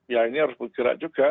ya ini harus bergerak juga